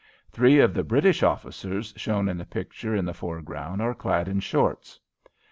Three of the British officers shown in the picture, in the foreground, are clad in "shorts."